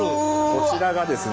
こちらがですね